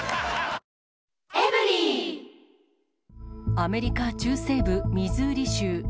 アメリカ中西部ミズーリ州。